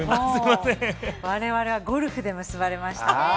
我々はゴルフで結ばれました。